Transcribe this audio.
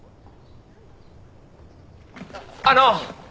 あの！